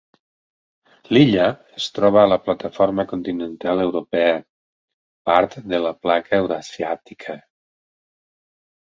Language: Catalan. L'illa es troba a la plataforma continental europea, part de la placa eurasiàtica.